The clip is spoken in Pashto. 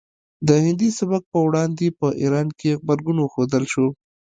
د هندي سبک په وړاندې په ایران کې غبرګون وښودل شو